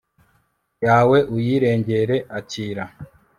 yawe uyirengere, akira